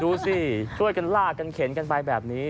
ดูสิช่วยกันลากกันเข็นกันไปแบบนี้